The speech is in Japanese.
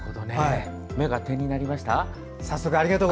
目が「テン」になりました？